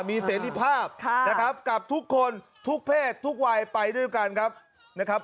มีเสรีภาพนะครับกับทุกคนทุกเพศทุกวัยไปด้วยกันครับนะครับ